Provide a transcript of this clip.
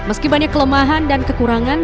meski banyak kelemahan dan kekurangan